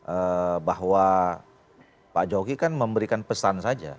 ee bahwa pak jokowi kan memberikan pesan saja